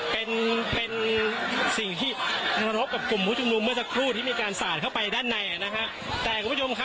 เป็นเป็นสิ่งที่กระทบกับกลุ่มผู้ชุมนุมเมื่อสักครู่ที่มีการสาดเข้าไปด้านในนะฮะแต่คุณผู้ชมครับ